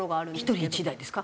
１人１台ですか？